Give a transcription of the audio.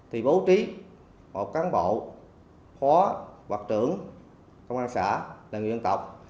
thì bố trí một cán bộ phó hoặc trưởng công an xã là người dân tộc